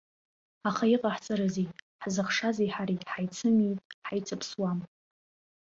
Аха иҟаҳҵарызеи, ҳзыхшази ҳареи, ҳаицымиит, ҳаицыԥсуам.